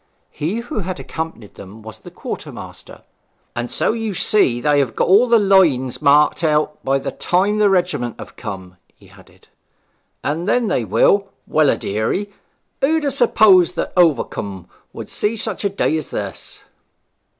He who had accompanied them was the quartermaster. 'And so you see they have got all the lines marked out by the time the regiment have come up,' he added. 'And then they will well a deary! who'd ha' supposed that Overcombe would see such a day as this!'